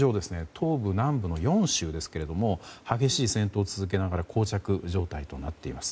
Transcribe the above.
東部、南部の４州ですが激しい戦闘を続けながら膠着状態となっています。